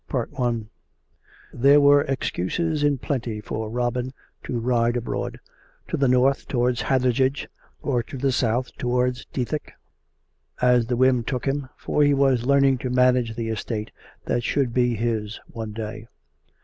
CHAPTER II There were excuses in plenty for Robin to ride abroad, to the north towards Hathersage or to the south towards Dethick, as the whim took him; for he was learning to manage the estate that should be his one day.